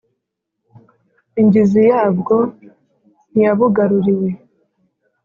Ingizi yabwo ntiyabugaruriwe